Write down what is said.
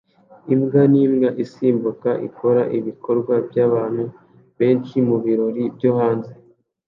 Imbwa nimbwa isimbuka ikora ibikorwa bya kubantu benshi mubirori byo hanze